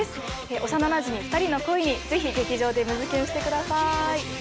幼なじみ２人の恋にぜひ劇場でムズキュンしてください。